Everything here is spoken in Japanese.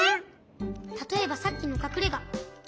たとえばさっきのかくれが。